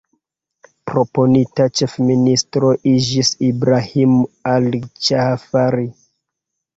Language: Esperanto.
Proponita ĉefministro iĝis Ibrahim al-Ĝaafari.